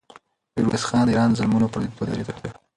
میرویس خان د ایران د ظلمونو پر ضد ودرېدی.